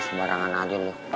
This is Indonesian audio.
sebarangan adil lo